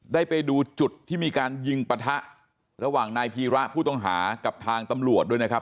ได้ไปดูจุดที่มีการยิงปะทะระหว่างนายพีระผู้ต้องหากับทางตำรวจด้วยนะครับ